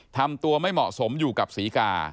ทำตัวไม่เหมาะสมอยู่กับศรีกา